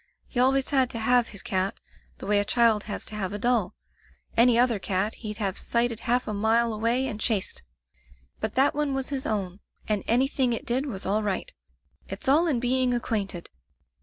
He always had to have his cat, the way a child has to have a doll. Any other cat he'd have sighted half a mile away and chased. But that one was his own, and anything it did Digitized by LjOOQ IC The Gray Collie was all right. It's all in being acquainted.